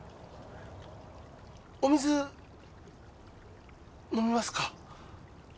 ・お水飲みますか？